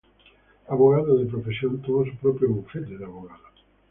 Abogado de profesión, tuvo su propio bufete de abogados.